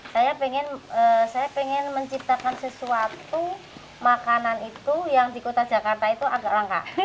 saya ingin menciptakan sesuatu makanan itu yang di kota jakarta itu agak langka